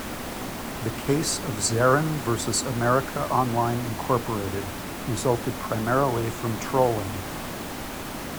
The case of "Zeran versus America Online, Incorporated" resulted primarily from trolling.